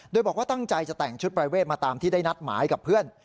โดยบอกว่าตั้งใจจะแต่งชุดปรายเวทมาตามที่ได้นัดหมายกับเพื่อน